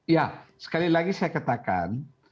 ya sekali lagi saya katakan